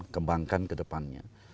kembangkan ke depannya